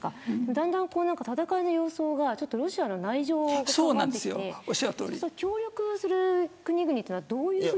だんだん戦いの様相がロシアの内情になってきて協力する国というのもどういうふうに。